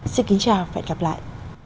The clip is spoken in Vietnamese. xin kính chào và hẹn gặp lại